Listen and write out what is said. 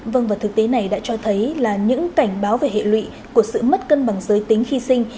vâng và thực tế này đã cho thấy là những cảnh báo về hệ lụy của sự mất cân bằng giới tính khi sinh